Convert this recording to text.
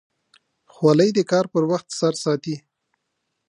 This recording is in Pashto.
خولۍ د کار پر وخت سر ساتي.